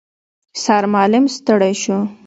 سرمعلم ستړی شو.